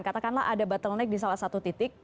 katakanlah ada bottleneck di salah satu titik